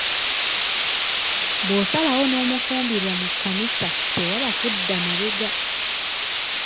Bw’osalawo n’omufumbirwa mu kkanisa tewaba kudda mabega.